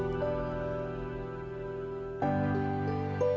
ya tuhan kami berdoa